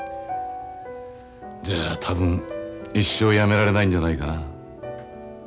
じゃあ多分一生やめられないんじゃないかな。